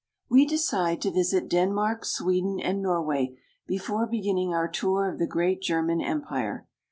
WE decide to visit Denmark, Sweden, and Norway before beginning our tour of the great German Empire.